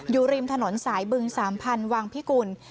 อยู่ริมถนนสายบึงสามพันธ์วังพิกุล